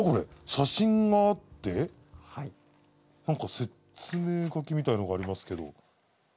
写真があって何か説明書きみたいのがありますけど。